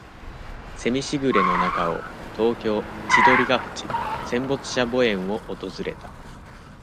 セミしぐれの中を、東京、千鳥ケ淵、戦没者墓苑を訪れた。